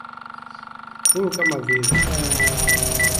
Huru kama vile